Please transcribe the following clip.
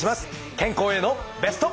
健康へのベスト。